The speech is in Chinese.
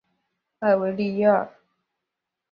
埃维利耶尔。